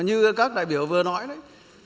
như các đại biểu vừa nói đấy